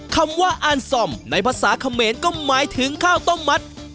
คำว่าอ่านซอมในภาษาเขมรก็หมายถึงข้าวต้มมัด